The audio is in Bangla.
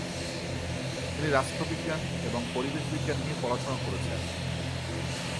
তিনি রাষ্ট্রবিজ্ঞান এবং পরিবেশ বিজ্ঞান নিয়ে পড়াশোনা করেছেন।